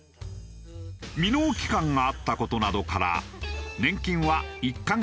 未納期間があった事などから年金は１カ月３万円程度。